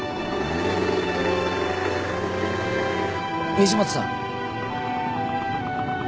西本さん。